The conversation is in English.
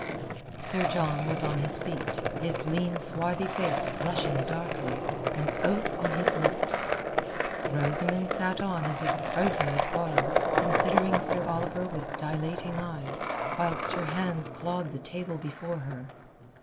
Sir John was on his feet, his lean swarthy face flushing darkly, an oath on his lips. Rosamund sat on as if frozen with horror, considering Sir Oliver with dilating eyes, whilst her hands clawed the table before her.